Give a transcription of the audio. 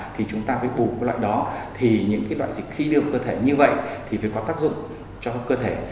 thì chúng ta phải bù loại đó thì những loại dịch khi đưa cơ thể như vậy thì phải có tác dụng cho cơ thể